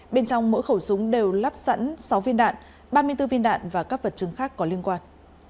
bên trong mỗi khẩu súng đều lắp sẵn sáu viên đạn ba mươi bốn viên đạn và các vật chứng khác có liên quan